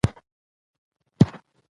هغې د حساس مینه په اړه خوږه موسکا هم وکړه.